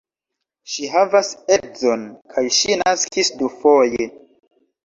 Ŝi havas edzon kaj ŝi naskis dufoje.